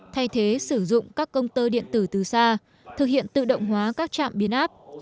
thay thế sử dụng các công tơ điện tử từ xa thực hiện tự động hóa các trạm biến áp